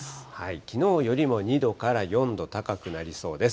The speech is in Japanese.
きのうよりも２度から４度高くなりそうです。